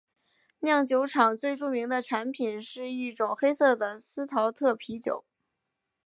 酿酒厂最著名的产品是一种黑色的司陶特啤酒。